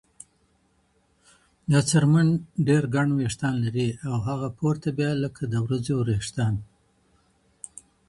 دا څرمن ډېر ګڼ وېښتیان لري او هغه پورته بيا لکه د ورځو وېښتيان.